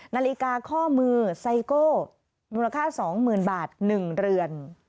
นาฬิกาข้อมือไซโก้มูลค่า๒๐๐๐บาท๑เรือน